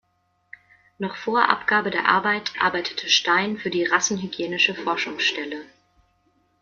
Noch vor Abgabe der Arbeit arbeitete Stein für die Rassenhygienische Forschungsstelle.